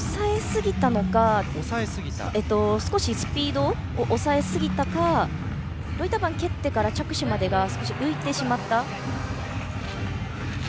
少しスピードを抑えすぎたかロイター板を蹴ってから着手までが少し浮いてしまった。